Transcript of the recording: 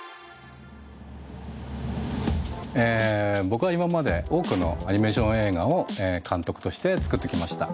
僕は今まで多くのアニメーション映画を監督として作ってきました。